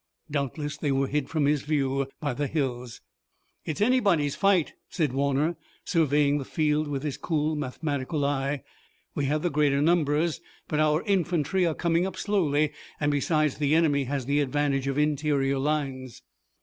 Doubtless they were hid from his view by the hills. "It's anybody's fight," said Warner, surveying the field with his cool, mathematical eye. "We have the greater numbers but our infantry are coming up slowly and, besides, the enemy has the advantage of interior lines."